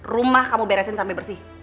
rumah kamu beresin sampai bersih